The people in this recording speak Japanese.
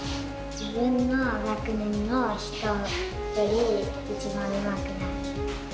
自分の学年の人より、一番うまくなる。